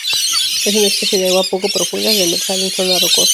Es una especie de agua poco profundas, demersal en zona rocosa.